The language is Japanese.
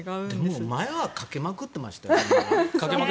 でも、前はかけまくってましたよ。